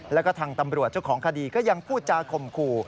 และกระทั่งตำรวจเจ้าของคดีก็ยังพูดจาก่มครู